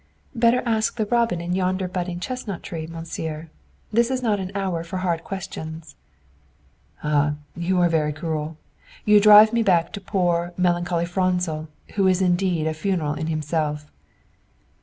"Better ask the robin in yonder budding chestnut tree, Monsieur. This is not an hour for hard questions!" "Ah, you are very cruel! You drive me back to poor, melancholy Franzel, who is indeed a funeral in himself."